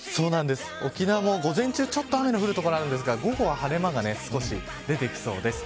沖縄も午前中ちょっと雨の降る所あるんですが午後は晴れ間が少し出てきそうです。